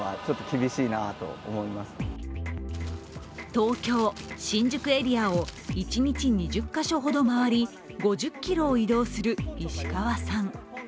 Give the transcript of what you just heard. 東京・新宿エリアを１日２０か所ほど回り５０ｋｍを移動する石川さん。